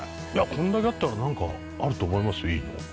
いやこんだけあったら何かあると思いますいいの。